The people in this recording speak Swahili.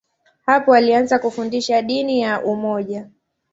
Hapo alianza kufundisha dini ya umoja.